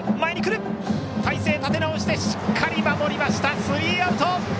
体勢立て直してしっかり守りましたスリーアウト。